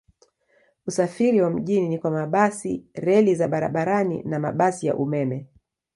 Usafiri wa mjini ni kwa mabasi, reli za barabarani na mabasi ya umeme.